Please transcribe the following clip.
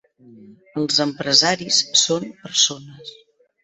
Els empresaris són persones.